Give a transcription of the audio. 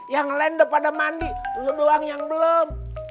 yang lain udah pada mandi doang yang belum